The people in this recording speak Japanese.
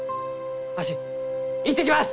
わし行ってきます！